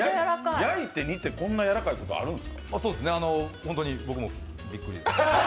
焼いて煮て、こんなやわらかいことあるんですか？